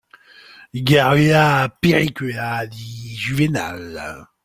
Garrula pericula, dit Juvénal.